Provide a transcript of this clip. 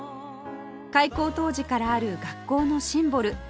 開校当時からある学校のシンボル